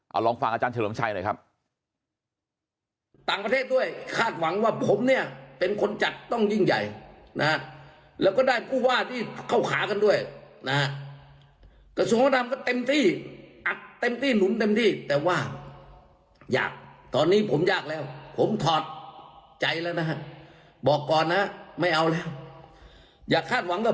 เอาลองฟังอาจารย์เฉลิมชัยหน่อยครับ